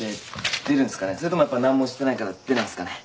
それともやっぱ何もしてないから出ないんすかね。